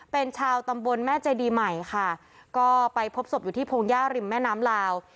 เป็นชาวตำบลแม่เจดีใหม่ค่ะก็ไปพบศพอยู่ที่พงหญ้าริมแม่น้ำลาว